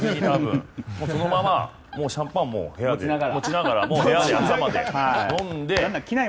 そのままシャンパンも部屋で持ちながら部屋で朝まで飲んで。